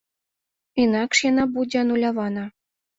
Інакш яна будзе анулявана.